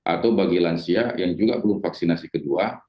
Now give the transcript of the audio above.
atau bagi lansia yang juga belum vaksinasi kedua